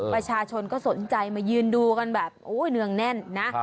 ประชาชนก็สนใจมายืนดูกันแบบโอ้ยเนืองแน่นนะ